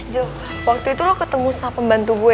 jo waktu itu lo ketemu sama pembantu boy ya